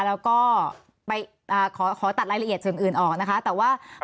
แล้วก็ไปขอขอตัดรายละเอียดส่วนอื่นออกนะคะแต่ว่า